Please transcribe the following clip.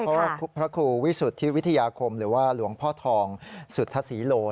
เพราะว่าพระครูวิสุทธิวิทยาคมหรือว่าหลวงพ่อทองสุธศรีโล